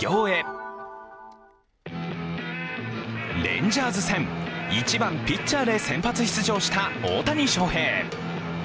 レンジャース戦１番・ピッチャーで先発出場した大谷翔平。